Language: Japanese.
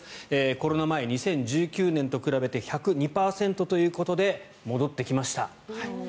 コロナ前、２０１９年と比べて１０２％ということで戻ってきました。